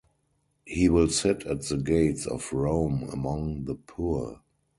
He will sit at the gates of Rome among the poor.